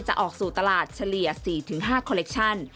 ออกสู่ตลาดเฉลี่ย๔๕คอลเลคชั่น